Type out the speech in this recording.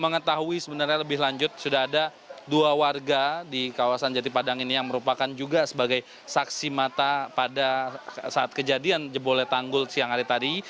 mengetahui sebenarnya lebih lanjut sudah ada dua warga di kawasan jati padang ini yang merupakan juga sebagai saksi mata pada saat kejadian jebole tanggul siang hari tadi